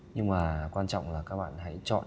nhưng mà quan trọng là các bạn hãy chọn